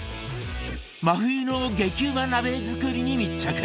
真冬の激うま鍋作りに密着